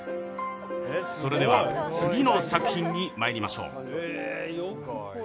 それでは、次の作品にまいりましょう。